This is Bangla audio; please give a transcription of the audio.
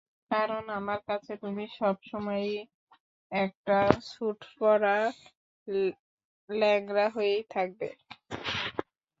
কারণ আমার কাছে তুমি সবসময়েই একটা স্যুট পরা ল্যাংড়া হয়েই থাকবে।